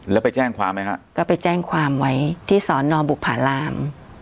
แล้วไปแจ้งความไหมฮะก็ไปแจ้งความไว้ที่สอนอบุภาราม